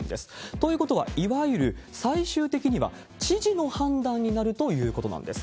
ということは、いわゆる最終的には知事の判断になるということなんです。